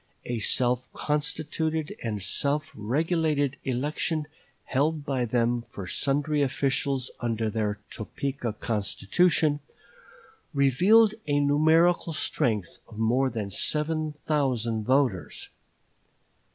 A self constituted and self regulated election held by them for sundry officials under their Topeka Constitution, revealed a numerical strength of more than seven thousand voters.